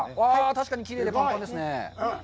確かにきれいでぱんぱんですね。